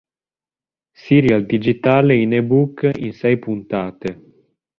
Serial Digitale in e-book in sei puntate.